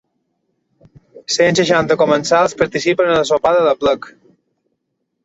Cent seixanta comensals participen en el sopar de l’aplec.